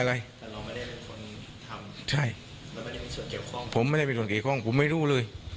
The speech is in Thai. ถ้าเขาแจ้งนะก็ดีแล้ว